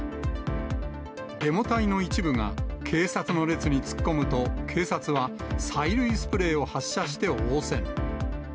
デモ隊の一部が警察の列に突っ込むと、警察は、催涙スプレーを発射して応戦。